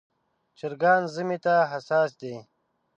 چرګان ژمي ته حساس دي.